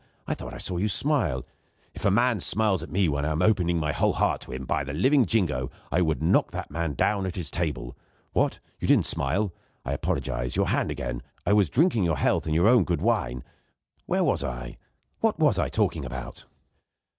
I thought I saw you smile. If a man smiles at me, when I am opening my whole heart to him, by the living jingo, I would knock that man down at his own table! What? you didn't smile? I apologise. Your hand again; I drink your health in your own good wine. Where was I? What was I talking about?"